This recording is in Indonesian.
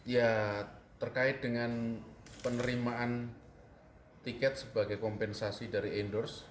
ya terkait dengan penerimaan tiket sebagai kompensasi dari endorse